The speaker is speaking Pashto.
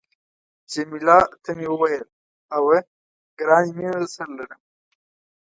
جميله ته مې وویل، اوه، ګرانې مینه درسره لرم.